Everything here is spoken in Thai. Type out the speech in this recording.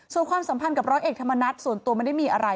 ส่วนความสัมพันธ์กับร้อยเอกธรรมนัฐส่วนตัวไม่ได้มีอะไร